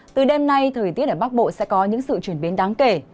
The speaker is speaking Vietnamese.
từ đêm nay thời tiết ở bắc bộ sẽ có những sự chuyển biến đáng kể